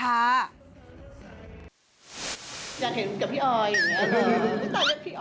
อยากเห็นกับพี่ออยอย่างนี้